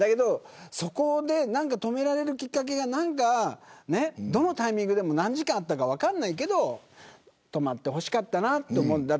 何か止められるきっかけがどのタイミングで何時間あったか分からないけど止まってほしかったなと思う。